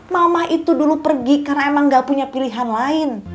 mamah itu dulu pergi karena emang gak punya pilihan lain